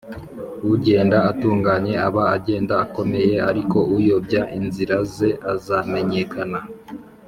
ugenda atunganye aba agenda akomeye, ariko uyobya inzira ze azamenyekana